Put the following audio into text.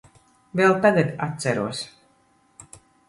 Vēl tagad atceros.